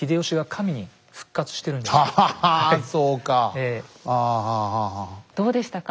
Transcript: どうでしたか？